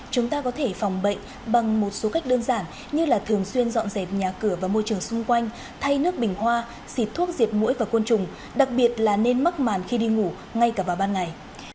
chúng ta có thể phòng bệnh bằng một số cách đơn giản như là thường xuyên dọn dẹp nhà cửa và môi trường xung quanh thay nước bình hoa xịt thuốc diệt mũi và côn trùng đặc biệt là nên mắc màn khi đi ngủ ngay cả vào ban ngày